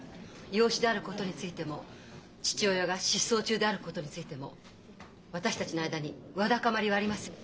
養子であることについても父親が失踪中であることについても私たちの間にわだかまりはありません。